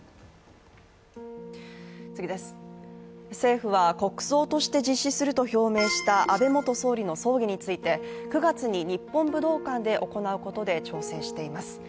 政府は国葬として実施すると表明した安倍元総理の葬儀について、９月に日本武道館で行うことで調整しています。